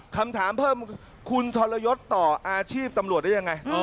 คำถามเพิ่มคุณทรยศต่ออาชีพตำรวจได้ยังไง